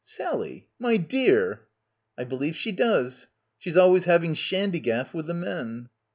"Sally ! My dear!" "I believe she does. She's always having shandygaff with the men."